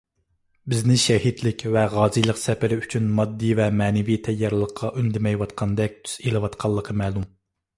بىزنى شەھىدلىك ۋە غازىيلىق سەپىرى ئۈچۈن ماددىي ۋە مەنىۋى تەييارلىققا ئۈندىمەيۋاتقاندەك تۈس ئېلىۋاتقانلىقى مەلۇم.